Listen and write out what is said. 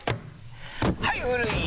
はい古い！